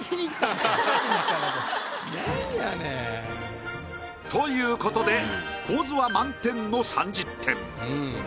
なんやねん。ということで構図は満点の３０点。